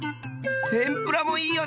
てんぷらもいいよね！